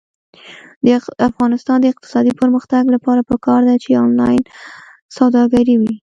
د افغانستان د اقتصادي پرمختګ لپاره پکار ده چې آنلاین سوداګري وي.